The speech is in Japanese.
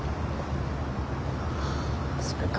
あそれか。